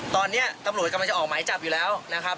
ตอนนี้ตำรวจกำลังจะออกหมายจับอยู่แล้วนะครับ